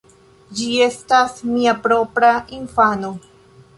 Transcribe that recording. Ĝi estas mia propra infano.